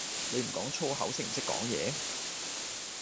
你唔講粗口識唔識講野?